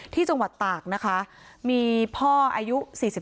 ที่จังหวัดตากนะคะมีพ่ออายุ๔๓